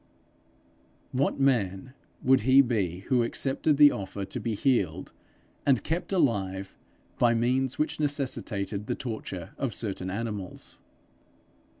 What man would he be who accepted the offer to be healed and kept alive by means which necessitated the torture of certain animals?